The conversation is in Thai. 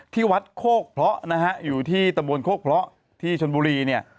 ที่วัดโคกเพราะนะฮะอยู่ที่ตะบนโคกเพราะที่ชนบุรีเนี่ย